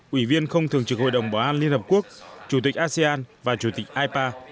ủy viên không thường trực hội đồng bảo an liên hợp quốc chủ tịch asean và chủ tịch ipa